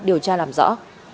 điều tra làm rõ